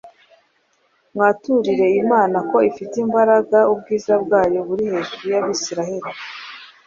Mwaturire Imana ko ifite imbaraga, ubwiza bwayo buri hejuru y’Abisirayeli,